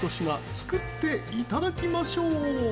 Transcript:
作っていただきましょう。